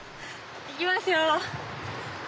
いきますよ。